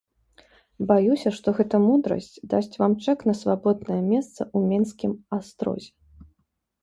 Баюся, што гэта мудрасць дасць вам чэк на свабоднае месца ў менскім астрозе.